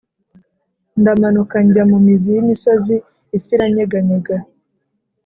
Ndamanuka njya mumizi y’imisozi, isiiranyeganyega